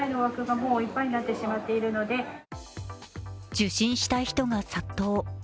受診したい人が殺到。